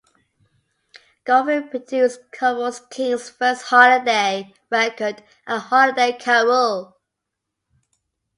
Goffin produced Carole King's first holiday record "A Holiday Carole".